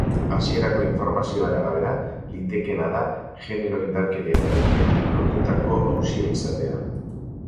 Hasierako informazioen arabera, litekeena da genero-indarkeriarekin lotutako auzia izatea.